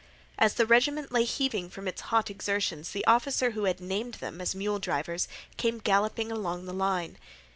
As the regiment lay heaving from its hot exertions the officer who had named them as mule drivers came galloping along the line.